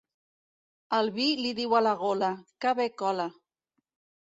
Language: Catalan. El vi li diu a la gola: «Que bé cola!».